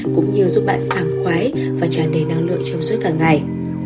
cũng như giúp bạn sàng khoái và tràn đầy năng lượng trong suốt cả ngày